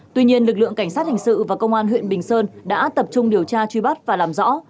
tuy nhiên lực lượng cảnh sát hình sự và công an huyện bình sơn đã tập trung điều tra truy bắt và làm rõ